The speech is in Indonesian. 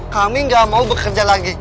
kami nggak mau bekerja lagi